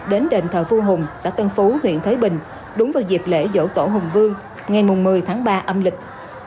đến đền thờ vua hùng xã tân phú huyện thới bình đúng vào dịp lễ dỗ tổ hùng vương ngày một mươi tháng ba âm lịch